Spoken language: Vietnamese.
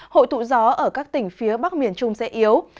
hội tụ gió ở các tỉnh phía bắc miền trung sẽ yếu